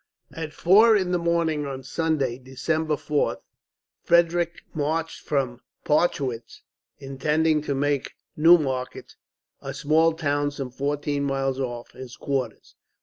At four in the morning on Sunday, December 4th, Frederick marched from Parchwitz; intending to make Neumarkt, a small town some fourteen miles off, his quarters.